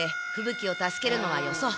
鬼を助けるのはよそう。